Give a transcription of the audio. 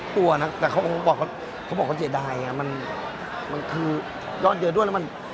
ตัวน่ะแต่เขาบอกเขาบอกว่าเจดายอ่ะมันมันคือยอดเยอะด้วยแล้วมัน